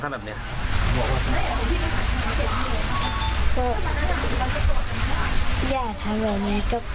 เพราะหนูต้นใจเจ็บ